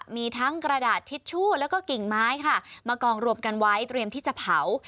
มีทั้งกระดาษทิชชู่แล้วก็กิ่งไม้ค่ะมากองรวมกันไว้เตรียมที่จะเผา